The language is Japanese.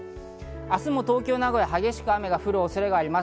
明日も東京などで激しく雨が降る恐れがあります。